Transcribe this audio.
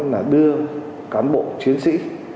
là đưa cán bộ chiến sĩ